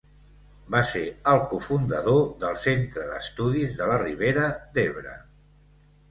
Va ser el cofundador del Centre d'Estudis de la Ribera d'Ebre.